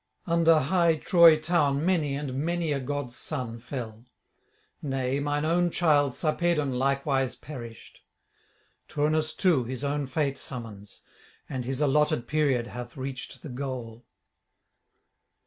Under high Troy town many and many a god's son fell; nay, mine own child Sarpedon likewise perished. Turnus too his own fate summons, and his allotted period hath reached the goal.'